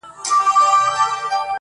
شرمنده یې کړ پاچا تر جنرالانو!.